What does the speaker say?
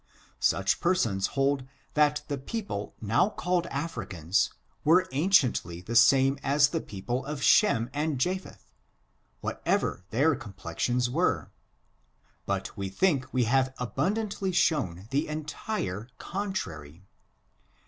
Such persons hold that the people now called Africans were anciently the same as the people of Shem and Japheth, whatever their complexions were; but we think we have abundantly shown the entire contrary.